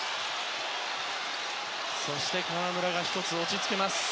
そして河村が１つ、落ち着ける。